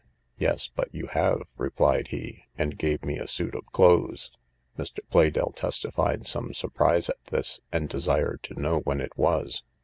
Yes, but you have, replied he, and gave me a suit of clothes. Mr. Pleydell testified some surprise at this, and desired to know when it was.